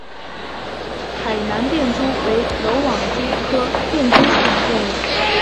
海南便蛛为缕网蛛科便蛛属的动物。